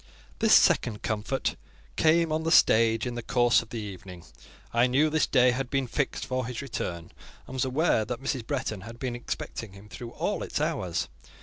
This second "comfort" came on the stage in the course of the evening. I knew this day had been fixed for his return, and was aware that Mrs. Bretton had been expecting him through all its hours.